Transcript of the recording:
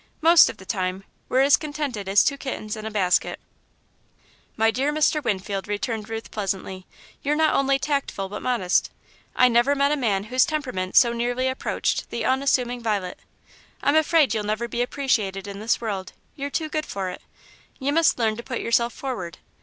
Most of the time, we're as contented as two kittens in a basket." "My dear Mr. Winfield," returned Ruth, pleasantly, "you're not only tactful, but modest. I never met a man whose temperament so nearly approached the unassuming violet. I'm afraid you'll never be appreciated in this world you're too good for it. You must learn to put yourself forward.